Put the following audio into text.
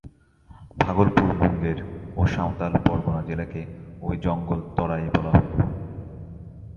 ভাগলপুর, মুঙ্গের ও সাঁওতাল পরগনা জেলাকে ওই জঙ্গল তরাই বলা হত।